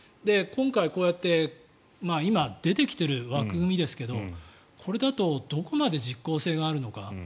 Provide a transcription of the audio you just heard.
今回、こうやって今、出てきている枠組みですけどこれだとどこまで実効性があるのか。